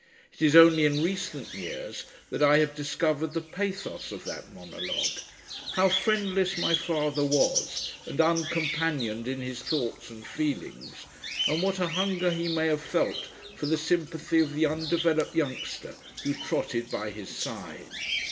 It is only in recent years that I have discovered the pathos of that monologue; how friendless my father was and uncompanioned in his thoughts and feelings, and what a hunger he may have felt for the sympathy of the undeveloped youngster who trotted by his side.